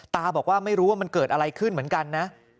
ตาบอกว่าไม่รู้ว่ามันเกิดอะไรขึ้นเหมือนกันนะ